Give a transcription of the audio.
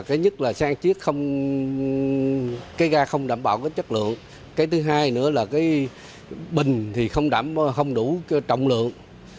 cái nhất là xăng chiếc ga không đảm bảo chất lượng cái thứ hai nữa là bình không đảm bảo trọng lượng